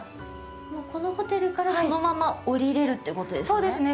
もうこのホテルからそのまま下りれるということですね。